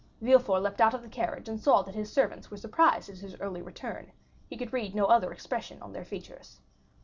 Villefort leaped out of the carriage, and saw that his servants were surprised at his early return; he could read no other expression on their features.